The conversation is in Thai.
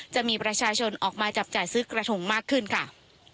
จะมีประชาชนออกมาจับจ่ายซื้อกระทงมากขึ้นค่ะ